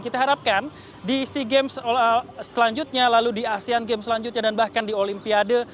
kita harapkan di sea games selanjutnya lalu di asean games selanjutnya dan bahkan di olimpiade